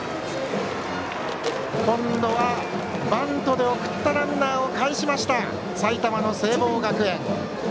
今度はバントで送ったランナーをかえしました、埼玉の聖望学園。